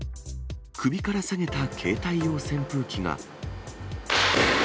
首から提げた携帯用扇風機が。